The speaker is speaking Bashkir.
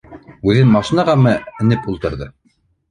Үҙе машинаға ме неп ултырҙы